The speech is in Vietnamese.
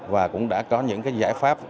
và cũng đã có những cái giải pháp